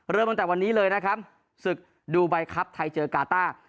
เริ่มตั้งแต่วันนี้เลยนะครับศึกดูไบครับไทยเจอกาต้า